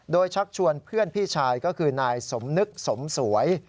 โดยชักชวนเพื่อนพี่ชายก็คือนายสมนึกสมสวย